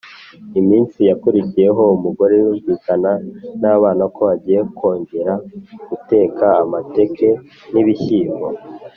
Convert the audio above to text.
Iminsi yakurikiyeho umugore yumvikana n’abana ko agiye kwongera guteka amateke n’ibishyimbo